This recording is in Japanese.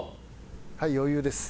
はい余裕です。